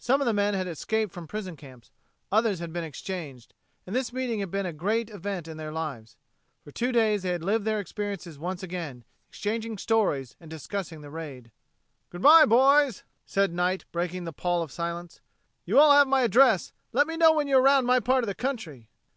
Some of the men had escaped from prison camps, others had been exchanged, and this meeting had been a great event in their lives. For two days they had lived their experiences once again, exchanging stories and discussing the raid. "Good by, boys," said Knight, breaking the pall of silence. "You all have my address. Let me know when you're around my part of the country."